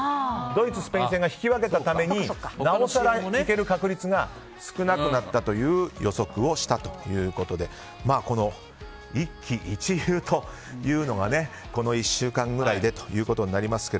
ドイツ、スペイン戦が引き分けたためになおさらいける確率が少なくなったという予測をしたということで一喜一憂というのがこの１週間ぐらいでとなりますが。